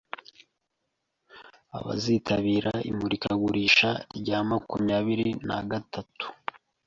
abazitabira imurikagurisha rya makumyabiri na gatatu